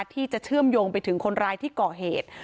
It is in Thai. ที่จะเชื่อมโยงไปถึงคนร้ายที่ก่อเหตุ